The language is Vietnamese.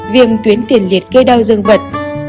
sáu viêm tuyến tiền liệt gây đau dương vật